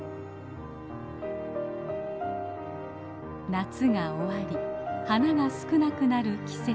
夏が終わり花が少なくなる季節。